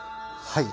はい。